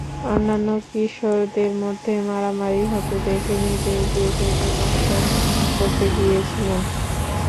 অন্যান্য কিশোরদের মধ্যে মারামারি হতে দেখে নিজে এগিয়ে গিয়ে মীমাংসা করতে গিয়েছিলেন।